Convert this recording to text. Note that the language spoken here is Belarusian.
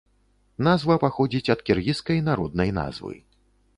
Назва паходзіць ад кіргізскай народнай назвы.